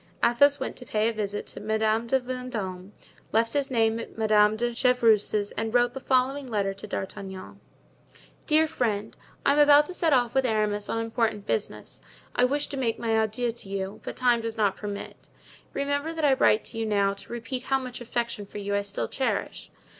Athos went to pay a visit to Madame de Vendome, left his name at Madame de Chevreuse's and wrote the following letter to D'Artagnan: "Dear Friend,—I am about to set off with Aramis on important business. I wished to make my adieux to you, but time does not permit. Remember that I write to you now to repeat how much affection for you I still cherish.